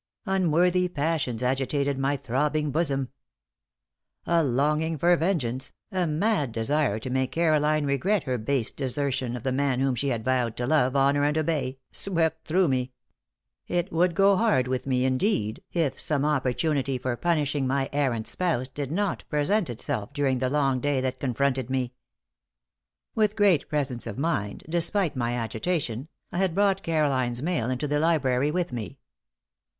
Unworthy passions agitated my throbbing bosom. A longing for vengeance, a mad desire to make Caroline regret her base desertion of the man whom she had vowed to love, honor and obey, swept through me. It would go hard with me, indeed, if some opportunity for punishing my errant spouse did not present itself during the long day that confronted me. With great presence of mind, despite my agitation, I had brought Caroline's mail into the library with me.